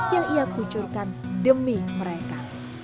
yang ia kucurkan demi mereka